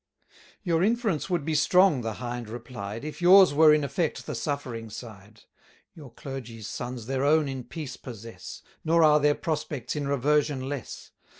Your inference would be strong, the Hind replied, If yours were in effect the suffering side: Your clergy's sons their own in peace possess, Nor are their prospects in reversion less.